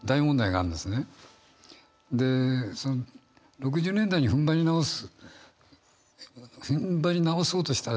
で６０年代に踏ん張り直す